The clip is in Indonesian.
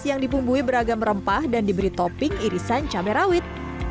yang dipumbuhi beragam rempah dan diberi topping irisan cabai rawit